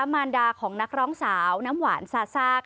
มารดาของนักร้องสาวน้ำหวานซาซ่า